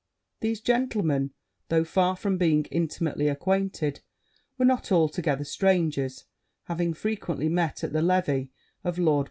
These gentlemen, though far from being intimately acquainted, were not altogether strangers, having frequently met at the levee of Lord